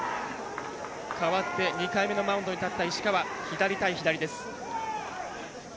代わって２回目のマウンドに立った石川左対左です。